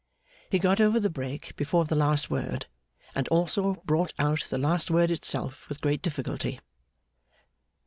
He got over the break before the last word, and also brought out the last word itself with great difficulty.